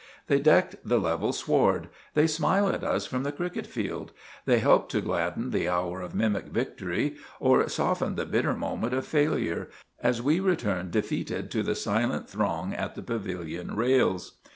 They deck the level sward; they smile at us from the cricket field; they help to gladden the hour of mimic victory, or soften the bitter moment of failure, as we return defeated to the silent throng at the pavilion rails.